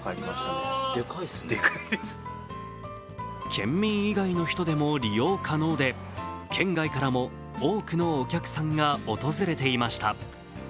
県民以外の人でも利用可能で、県外からも多くのお客さんが訪れていました。